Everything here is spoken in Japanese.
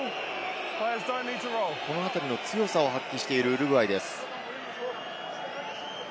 このあたりの強さを発揮しているウルグアイです。